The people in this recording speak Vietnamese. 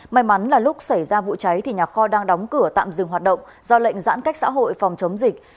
may mắn là lúc xảy ra vụ cháy thì nhà kho đang đóng cửa tạm dừng hoạt động do lệnh giãn cách xã hội phòng chống dịch